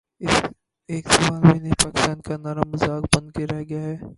اس ایک سال میں نئے پاکستان کا نعرہ مذاق بن کے رہ گیا ہے۔